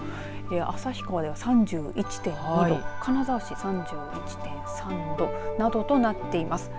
旭川では３１．２度金沢市３１．３度などとなっています。